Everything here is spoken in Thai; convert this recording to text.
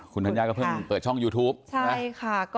คุณธัญญาก็เพิ่งเปิดช่องยูทูปใช่ค่ะ